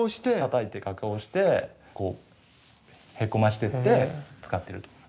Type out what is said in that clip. たたいて加工してへこましてって使ってるという。